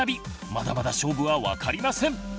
まだまだ勝負は分かりません！